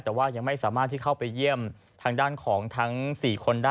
แต่ว่ายังไม่สามารถที่เข้าไปเยี่ยมทางด้านของทั้ง๔คนได้